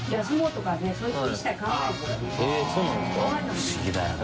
不思議だよな。